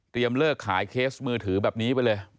เลิกขายเคสมือถือแบบนี้ไปเลย